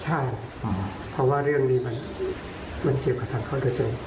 ใช่เพราะว่าเรื่องนี้มันเกี่ยวกับทางเข้าใจ